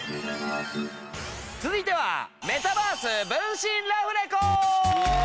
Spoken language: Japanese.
続いては。